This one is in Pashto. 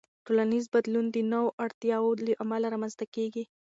ټولنیز بدلون د نوو اړتیاوو له امله رامنځته کېږي.